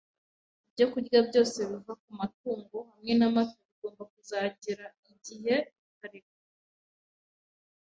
ibyokurya byose biva ku matungo, hamwe n’amata, bigomba kuzagera igihe bikarekwa